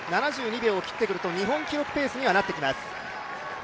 ７２秒を切ってくると、日本記録ペースになります。